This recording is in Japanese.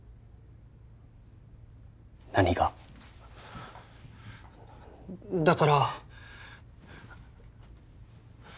何が？だから。